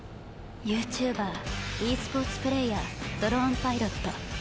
ＹｏｕＴｕｂｅｒｅスポーツプレーヤードローンパイロット。